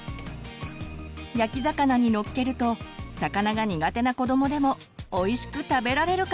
焼き魚にのっけると魚が苦手な子どもでもおいしく食べられるかも！